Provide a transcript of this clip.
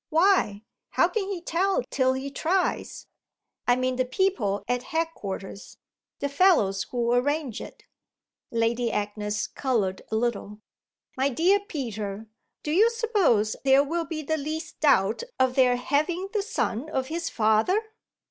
Why how can he tell till he tries?" "I mean the people at headquarters, the fellows who arrange it." Lady Agnes coloured a little. "My dear Peter, do you suppose there will be the least doubt of their 'having' the son of his father?"